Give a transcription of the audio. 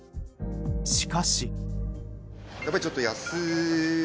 しかし。